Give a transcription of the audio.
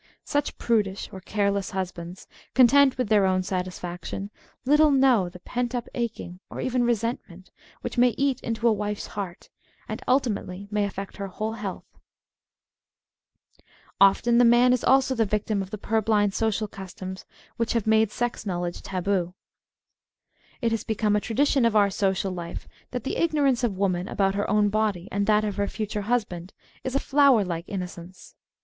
Such prudish or careless husbands, content with their own satisfaction, little know the pent up aching, or even rescntpent, which may eat into a wife's heart, and ultimately may affect her whole health. 22 Married Love Often the man is also the victim of the purblind social customs which make sex knowledge tabu. It has become a tradition of our social life that the ignorance of woman about her own body and that of her future husband is a flower like innocence.